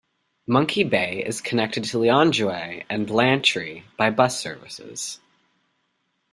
Monkey Bay is connected to Lilongwe and Blantyre by bus services.